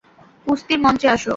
কুস্তির মঞ্চে আস।